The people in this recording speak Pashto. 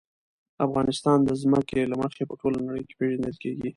افغانستان د ځمکه له مخې په ټوله نړۍ کې پېژندل کېږي.